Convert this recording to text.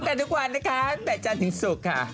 พบกันทุกวันนะคะ๘จันทร์ถึงศุกร์ค่ะ